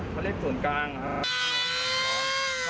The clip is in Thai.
เขาเรียกส่วนกลางค่ะ